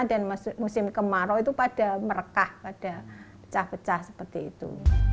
dan musim kemarau itu pada merekah pada pecah pecah seperti itu